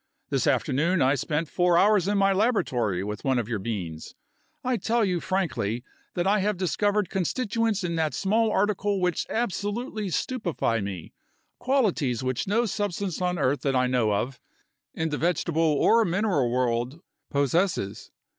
This afternoon I spent four hours in my laboratory with one of your beans. I tell you frankly that I have discovered constituents in that small article which absolutely stupefy me, qualities which no substance on earth that I know of, in the vegetable or mineral world, possesses.